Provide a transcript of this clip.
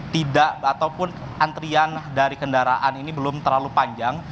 tidak ataupun antrian dari kendaraan ini belum terlalu panjang